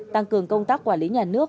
tăng cường công tác quản lý nhà nước